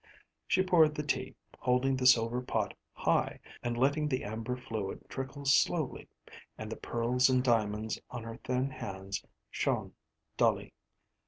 She poured the tea, holding the silver pot high and letting the amber fluid trickle slowly, and the pearls and diamonds on her thin hands shone dully.